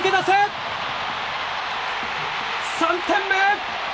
３点目！